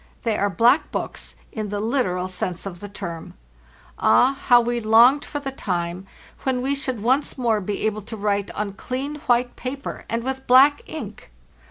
They are "black books" in the literal sense of the term. Ah! how we longed for the time when we should once more be able to write on clean white paper and with black ink!